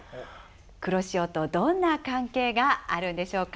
黒潮とどんな関係があるんでしょうか。